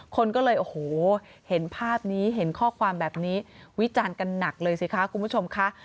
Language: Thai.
คนก็เลยโอ้โหเห็นภาพนี้เห็นข้อความแบบนี้วิจารณ์กันหนักเลยสิคะคุณผู้ชมค่ะ